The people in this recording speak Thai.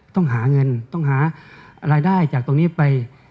ต้องหาเงินต้องหารายได้จากตรงนี้ไป